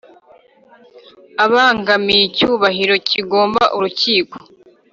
ibangamiye icyubahiro kigomba Urukiko